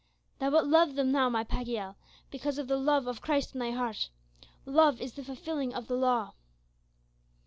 Thou wilt love them now, my Pagiel, because of the love of Christ in thy heart. Love is the fulfilling of the law."